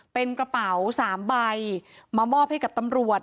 เป็นกระเป๋า๓ใบมามอบให้กับตำรวจ